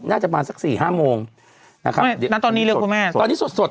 น่าจะมาสักสี่ห้ามงนะครับไม่น่าตอนนี้เลยครับคุณแม่ตอนนี้สดสด